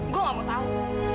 gue nggak mau tahu